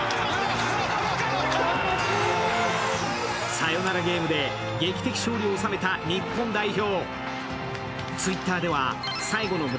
サヨナラゲームで劇的勝利を収めた日本代表。